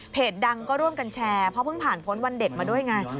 ดังก็ร่วมกันแชร์เพราะเพิ่งผ่านพ้นวันเด็กมาด้วยไง